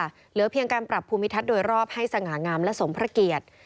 เหลือเพียงการปรับภูมิทัศน์โดยรอบให้สง่างามและสมพระเกียรติ